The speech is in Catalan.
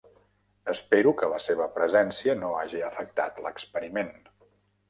Espero que la seva presència no hagi afectat l"experiment.